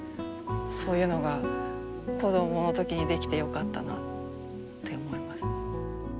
そういうのが子どものときにできてよかったなあって思います。